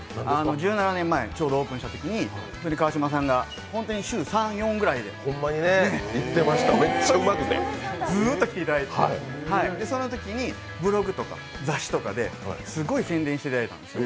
１７年前、オープンしたときに川島さんが週３、４くらいでずーっと来ていただいていて、そのときにブログとか雑誌とかですごい宣伝していただいたんです